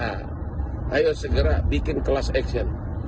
ayo segera bikin kelas action